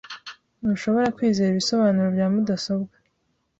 Ntushobora kwizera ibisobanuro bya mudasobwa